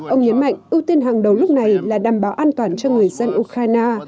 ông nhấn mạnh ưu tiên hàng đầu lúc này là đảm bảo an toàn cho người dân ukraine